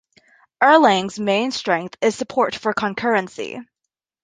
Erlang's main strength is support for concurrency.